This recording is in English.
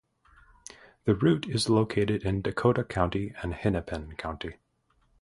The route is located in Dakota County and Hennepin County.